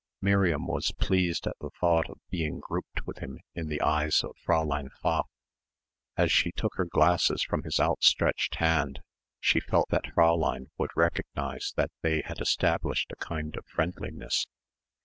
Miriam was pleased at the thought of being grouped with him in the eyes of Fräulein Pfaff. As she took her glasses from his outstretched hand she felt that Fräulein would recognise that they had established a kind of friendliness.